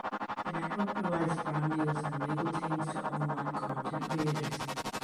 The network provides brand deals and legal teams to online content creators.